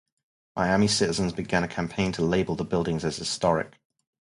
Miami citizens began a campaign to label the buildings as "historic".